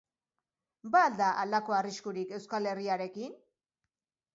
Ba al da halako arriskurik Euskal Herriarekin?